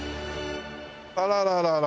あらららら。